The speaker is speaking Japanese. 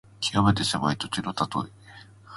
きわめて狭い土地のたとえ。